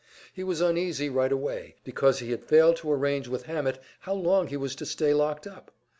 He was uneasy right away, because he had failed to arrange with Hammett how long he was to stay locked up.